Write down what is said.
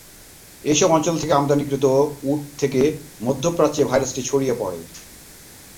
এইসব অঞ্চল থেকে আমদানিকৃত উট থেকে মধ্য প্রাচ্যে ভাইরাসটি ছড়িয়ে পড়ে।